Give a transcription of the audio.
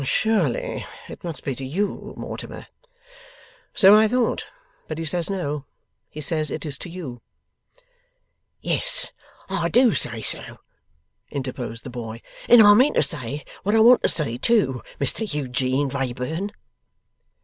'Surely it must be to you, Mortimer.' 'So I thought, but he says no. He says it is to you.' 'Yes, I do say so,' interposed the boy. 'And I mean to say what I want to say, too, Mr Eugene Wrayburn!